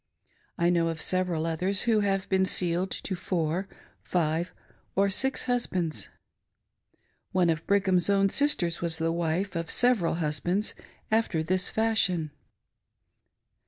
I know of several others who have been sealed to four, five, or six husbands! One of Brigham's own sisters was the wife of several husbands after this fashion.